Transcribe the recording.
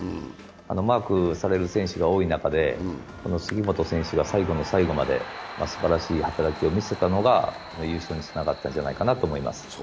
マークされる選手が多い中で杉本選手が最後の最後まですばらしい働きを見せたのが優勝につながったんじゃないかと思います。